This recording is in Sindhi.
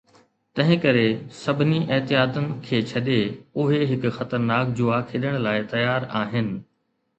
تنهن ڪري، سڀني احتياطن کي ڇڏي، اهي هڪ خطرناڪ جوا کيڏڻ لاء تيار آهن.